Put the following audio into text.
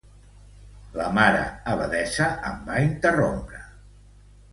La mare abadessa em va interrompre.